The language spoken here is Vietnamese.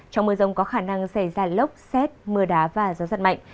trong mưa rông có khả năng xảy ra lốc xét mưa đá và gió giật mạnh